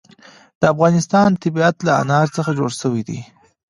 د افغانستان طبیعت له انار څخه جوړ شوی دی.